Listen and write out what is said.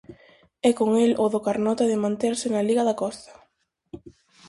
E con el o do Carnota de manterse na liga da Costa.